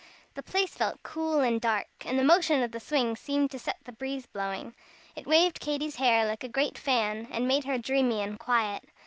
The place felt cool and dark, and the motion of the swing seemed to set the breeze blowing. It waved Katy's hair like a great fan, and made her dreamy and quiet.